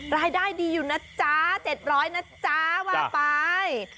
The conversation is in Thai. รายได้ดีอยู่นะจ๊ะ๗๐๐นะจ๊ะว่าไป